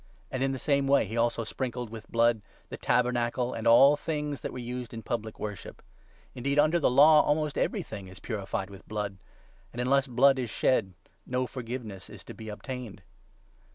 And in the same way he also sprinkled with the 21 blood the Tabernacle and all the things that were used in public worship. Indeed, under the Law, almost everything is 22 purified with blood ; and, unless blood is shed, no forgiveness is to be obtained.